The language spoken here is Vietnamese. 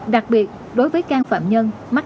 đặc biệt đối với căn phạm nhân mắc các bệnh mạng